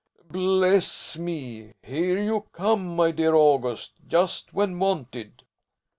"Bless me! Here you come, my dear August, just when wanted."